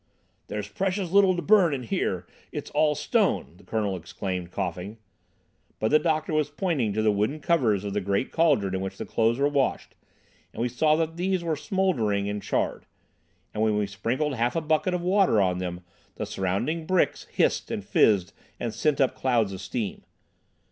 "There's precious little to burn in here; it's all stone," the Colonel exclaimed, coughing. But the doctor was pointing to the wooden covers of the great cauldron in which the clothes were washed, and we saw that these were smouldering and charred. And when we sprinkled half a bucket of water on them the surrounding bricks hissed and fizzed and sent up clouds of steam.